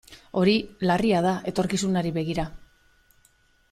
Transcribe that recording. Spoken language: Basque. Hori larria da etorkizunari begira.